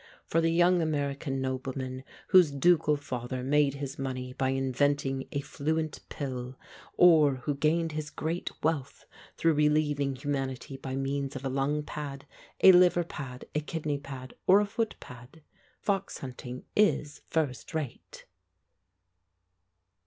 For the young American nobleman whose ducal father made his money by inventing a fluent pill, or who gained his great wealth through relieving humanity by means of a lung pad, a liver pad, a kidney pad or a foot pad, fox hunting is first rate.